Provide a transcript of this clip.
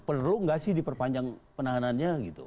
perlu nggak sih diperpanjang penahanannya gitu